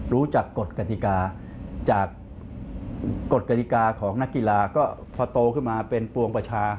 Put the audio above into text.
รู้จักกฎกติกาจากกฎกฎิกาของนักกีฬาก็พอโตขึ้นมาเป็นปวงประชา